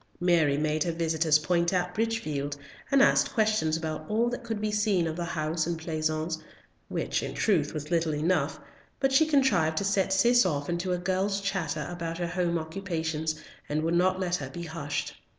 Mary made her visitors point out Bridgefield, and asked questions about all that could be seen of the house and pleasance, which, in truth, was little enough, but she contrived to set Cis off into a girl's chatter about her home occupations, and would not let her be hushed.